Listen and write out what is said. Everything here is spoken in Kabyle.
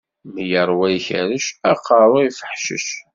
Mi iṛwa lkerc, aqeṛṛu ifeḥcec.